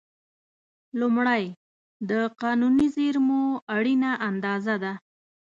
لومړی: د قانوني زېرمو اړینه اندازه.